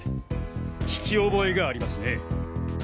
聞き覚えがありますね。